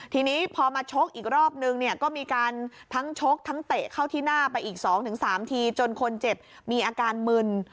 ทีนี้พอมาชกอีกรอบนึงเนี่ยก็มีการทั้งชกทั้งเตะเข้าที่หน้าไปอีก๒๓ทีจนคนเจ็บมีอาการมึน